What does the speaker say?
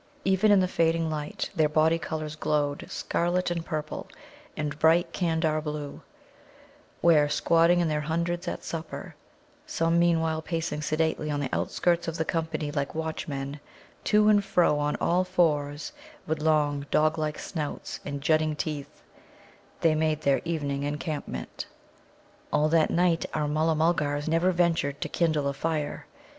Even in the fading light their body colours glowed, scarlet and purple, and bright Candar blue, where, squatting in their hundreds at supper (some meanwhile pacing sedately on the outskirts of the company like watchmen, to and fro on all fours, with long, doglike snouts and jutting teeth), they made their evening encampment. All that night our Mulla mulgars never ventured to kindle a fire.